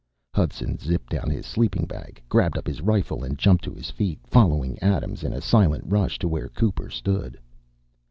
Hudson zipped down his sleeping bag, grabbed up his rifle and jumped to his feet, following Adams in a silent rush to where Cooper stood.